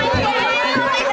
dini mau main jantung